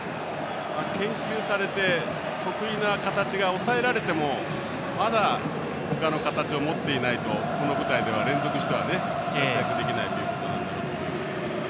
研究されて得意な形が抑えられてもまだ、他の形を持っていないとこの舞台で連続しては活躍できないということなので。